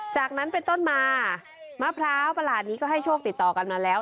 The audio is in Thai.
จากนั้นเป็นต้นมามะพร้าวประหลาดนี้ก็ให้โชคติดต่อกันมาแล้ว